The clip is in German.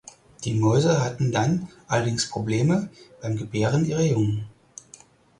Die Mäuse hatten dann allerdings Probleme beim Gebären ihrer Jungen.